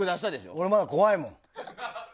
俺まだ怖いもん。